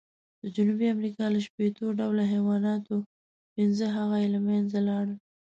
د جنوبي امریکا له شپېتو ډولو حیواناتو، پینځه هغه یې له منځه لاړل.